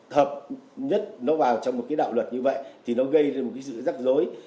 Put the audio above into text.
thật nhất nó vào trong một đạo luật như vậy thì nó gây ra một sự rắc rối